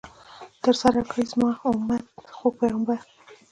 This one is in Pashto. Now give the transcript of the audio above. ترسره کړئ، زما امت ، خوږ پیغمبر